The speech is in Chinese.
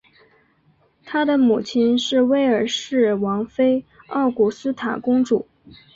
他的母亲是威尔士王妃奥古斯塔公主。